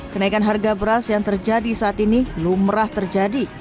kenaikan harga beras yang terjadi saat ini lumrah terjadi